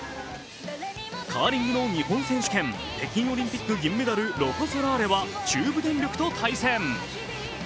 カーリングの日本選手権、北京オリンピック銀メダル・ロコ・ソラーレは中部電力と対戦。